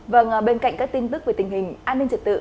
vâng bên cạnh các tin tức về tình hình an ninh trật tự